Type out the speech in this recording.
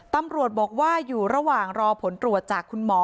ตำรวจบอกว่าอยู่ระหว่างรอผลตรวจจากคุณหมอ